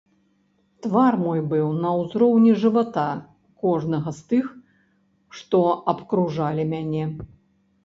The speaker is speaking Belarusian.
Твар мой быў на ўзроўні жывата кожнага з тых, што абкружалі мяне.